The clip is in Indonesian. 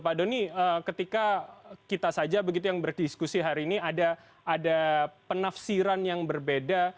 pak doni ketika kita saja begitu yang berdiskusi hari ini ada penafsiran yang berbeda